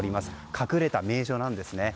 隠れた名所なんですね。